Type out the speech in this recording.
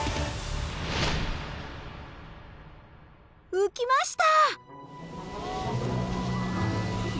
浮きました！